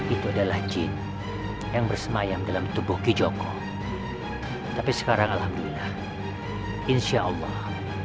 itu adalah jin yang bersemayam dalam tubuh kijoko tapi sekarang alhamdulillah insyaallah